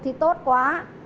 thì tốt quá